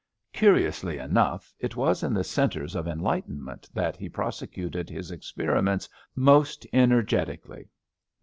Curiously enough, it was in the centres of en lightenment that he prosecuted his experiments most energetically.